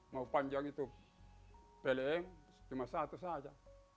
mau panjang itu peleing cuma satu saja